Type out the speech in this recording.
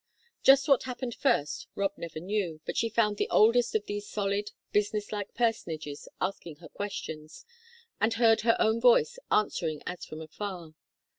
Just what happened first Rob never knew, but she found the oldest of these solid, business like personages asking her questions, and heard her own voice answering as from afar.